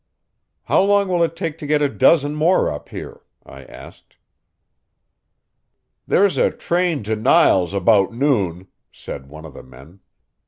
"How long will it take to get a dozen more up here?" I asked. "There's a train to Niles about noon," said one of the men.